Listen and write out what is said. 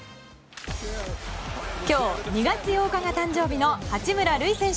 今日、２月８日が誕生日の八村塁選手